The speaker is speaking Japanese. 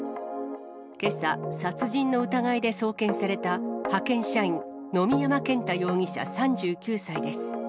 けさ、殺人の疑いで送検された、派遣社員、野見山健太容疑者３９歳です。